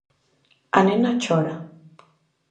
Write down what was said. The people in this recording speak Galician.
A nena chora.